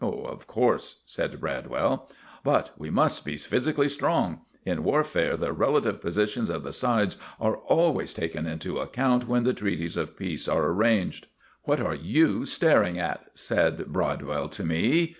"Of course," said Bradwell. "But we must be physically strong. In warfare the relative positions of the sides are always taken into account when the treaties of peace are arranged." "What are you staring at?" said Bradwell to me.